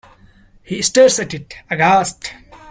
He stares at it, aghast.